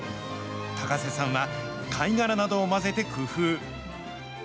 高瀬さんは貝殻などを混ぜて工夫。